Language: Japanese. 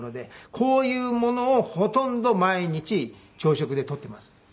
こういうものをほとんど毎日朝食で取っています。